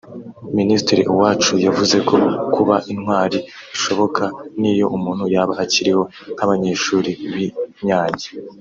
Minisitiri Uwacu yavuze ko kuba intwari bishoboka n’iyo umuntu yaba akiriho nk’Abanyeshuri b’i Nyange